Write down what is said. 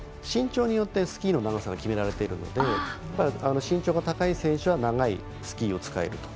身長によってスキーの長さが決められているので身長が高い選手は長いスキーを使える。